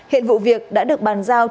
hiện vụ việc đã được bàn giao